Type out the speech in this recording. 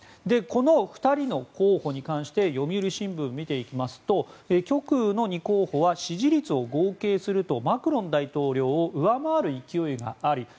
この２人の候補に関して読売新聞を見てみますと極右の２候補は支持率を合計するとマクロン大統領を上回る勢いがあり。